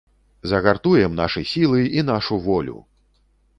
Загартуем нашы сілы і нашу волю!